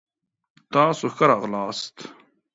تاسو ښه راغلاست.